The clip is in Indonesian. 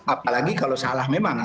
apalagi kalau salah memang